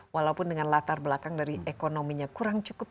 walaupun dengan latar belakang dari ekonominya kurang cukup